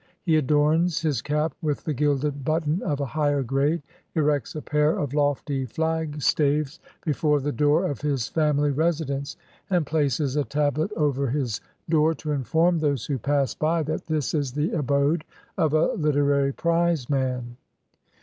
He adorns his cap with the gilded button of a higher grade, erects a pair of lofty flag staves 225 CHINA before the door of his family residence, and places a tablet over his door to inform those who pass by that this is the abode of a literary prize man.